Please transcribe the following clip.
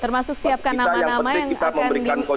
termasuk siapkan nama nama yang akan di